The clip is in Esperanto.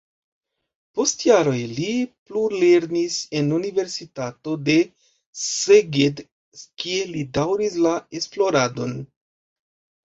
Post jaroj li plulernis en universitato de Szeged, kie li daŭris la esploradon.